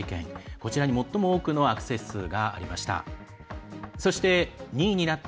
こちらに最も多くのアクセス数がありました。